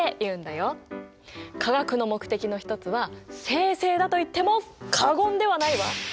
化学の目的の一つは精製だといっても過言ではないわ！